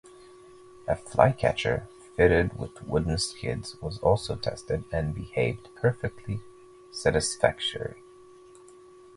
A Flycatcher fitted with wooden skids was also tested and behaved perfectly satisfactorily.